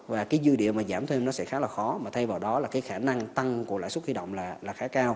và cái dư địa mà giảm thêm nó sẽ khá là khó mà thay vào đó là cái khả năng tăng của lãi suất huy động là khá cao